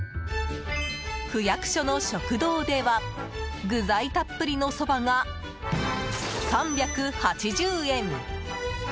区役所の食堂では具材たっぷりのそばが３８０円。